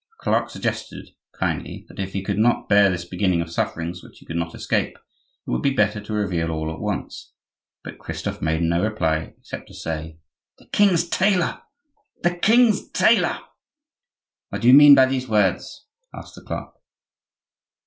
The clerk suggested, kindly, that if he could not bear this beginning of sufferings which he could not escape, it would be better to reveal all at once; but Christophe made no reply except to say, "The king's tailor! the king's tailor!" "What do you mean by those words?" asked the clerk.